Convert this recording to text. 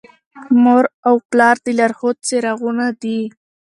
مور او پلار د لارښود څراغونه دي.